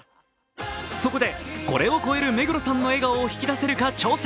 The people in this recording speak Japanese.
そこでこれを超える目黒さんの笑顔を引き出せるか挑戦。